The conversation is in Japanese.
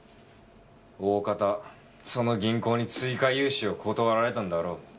大方その銀行に追加融資を断られたんだろう。